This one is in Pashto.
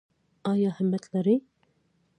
ایا همت لرئ؟